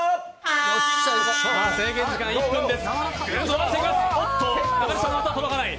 制限時間１分です。